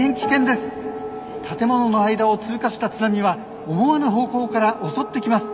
建物の間を通過した津波は思わぬ方向から襲ってきます。